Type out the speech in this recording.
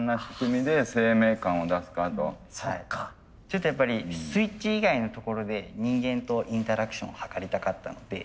ちょっとやっぱりスイッチ以外のところで人間とインタラクションを図りたかったので。